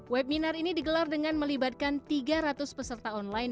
webinar ini digelar dengan melibatkan tiga ratus peserta online